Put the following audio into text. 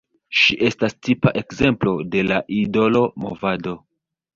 Ŝi estas tipa ekzemplo de la idolo movado.